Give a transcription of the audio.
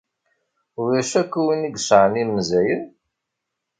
Ulac akk win i yesɛan imenzayen?